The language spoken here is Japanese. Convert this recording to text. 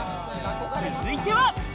続いては。